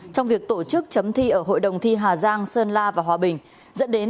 trong việc tổ chức chấm thi ở hội đồng thi hà giang sơn la và hòa bình